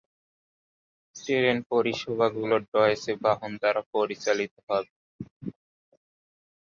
Train পরিষেবাগুলি Deutsche Bahn দ্বারা পরিচালিত হবে।